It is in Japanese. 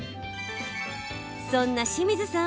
そんな清水さん